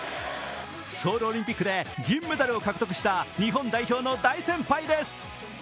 ソウルオリンピックで銀メダルを獲得した日本代表の大先輩です。